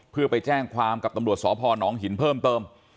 เพื่อไปแจ้งความกับตำรวจสพนหินเพิ่มเติม